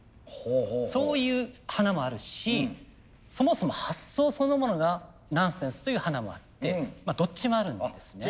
そういう華もあるしそもそも発想そのものがナンセンスという華もあってどっちもあるんですね。